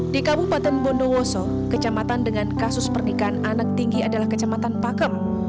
di kabupaten bondowoso kecamatan dengan kasus pernikahan anak tinggi adalah kecamatan pakem